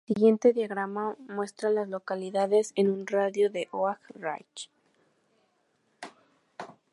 El siguiente diagrama muestra a las localidades en un radio de de Oak Ridge.